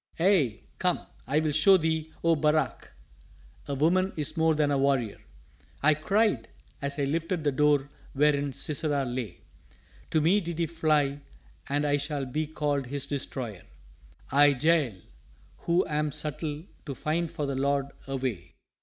"Aye, come, I will show thee, O Barak, a woman is more than a warrior," I cried as I lifted the door wherein Sisera lay. "To me did he fly and I shall be called his destroyer I, Jael, who am subtle to find for the Lord a way!"